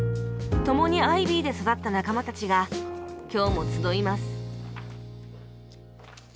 共にアイビーで育った仲間たちが今日も集います